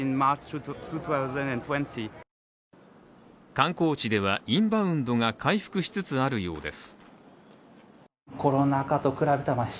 観光地ではインバウンドが回復しつつあるようです。